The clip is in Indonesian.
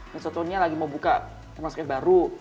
misalnya lagi mau buka termasuknya baru